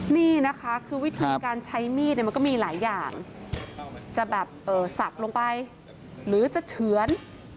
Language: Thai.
นี่นะคะคือวิธีการใช้มีดเนี่ยมันก็มีหลายอย่างจะแบบสับลงไปหรือจะเฉือน